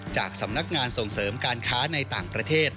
จากสำนักงานส่งเสริมการค้าในต่างประเทศ